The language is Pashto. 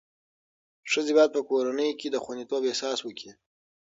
ښځې باید په کورنۍ کې د خوندیتوب احساس وکړي.